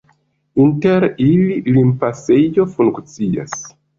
Inter ili limpasejo funkcias.